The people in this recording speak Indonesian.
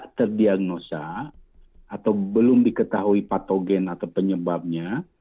terdiagnosa atau belum diketahui patogen atau penyebabnya